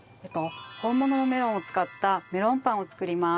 本物のメロンを使ったメロンパンを作ります。